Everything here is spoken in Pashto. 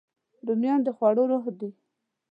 رومیان د خوړو روح دي